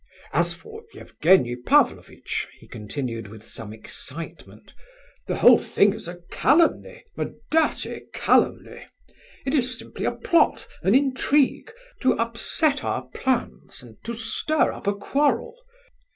As for Evgenie Pavlovitch," he continued with some excitement, "the whole thing is a calumny, a dirty calumny. It is simply a plot, an intrigue, to upset our plans and to stir up a quarrel.